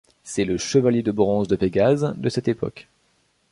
C’est le Chevalier de bronze de Pégase de cette époque.